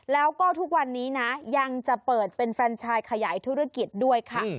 แล้วก็ทุกวันนี้นะยังจะเปิดเป็นแฟนชายขยายธุรกิจด้วยค่ะ